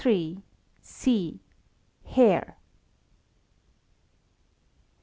C. Hair.